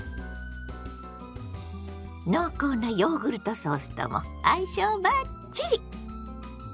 濃厚なヨーグルトソースとも相性バッチリ！